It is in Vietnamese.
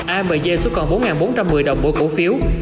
amj xuống còn bốn bốn trăm một mươi đồng mỗi cổ phiếu